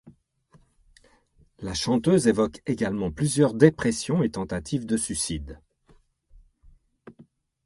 La chanteuse évoque également plusieurs dépressions et tentatives de suicide.